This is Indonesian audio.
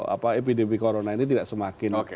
apa epidemi corona ini tidak semakin